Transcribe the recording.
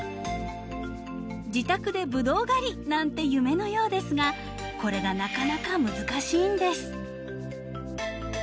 「自宅でブドウ狩り！」なんて夢のようですがこれがなかなか難しいんです。